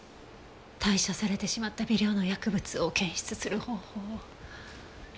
代謝されてしまった微量の薬物を検出する方法は。